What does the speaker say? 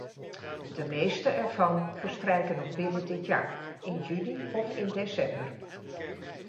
De meeste ervan verstrijken nog binnen dit jaar, in juni of in december.